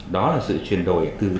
đó là sự chuyển đổi từ thế giới thực